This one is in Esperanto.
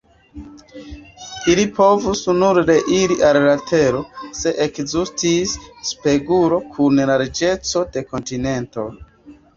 Ili povus nur reiri al la tero, se ekzistus spegulo kun larĝeco de kontinento".